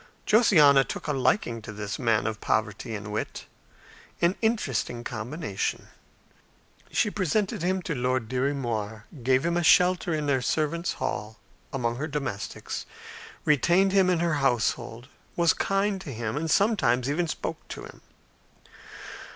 Josiana took a liking to this man of poverty and wit, an interesting combination. She presented him to Lord Dirry Moir, gave him a shelter in the servants' hall among her domestics, retained him in her household, was kind to him, and sometimes even spoke to him.